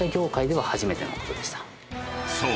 ［そう。